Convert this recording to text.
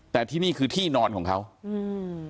แต่ที่นี่คือที่นอนของเขาอืม